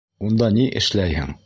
Унда ни эшләйһең?